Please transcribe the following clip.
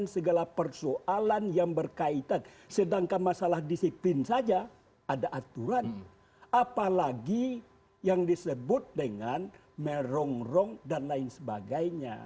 segala persoalan yang berkaitan sedangkan masalah disiplin saja ada aturan apalagi yang disebut dengan merongrong dan lain sebagainya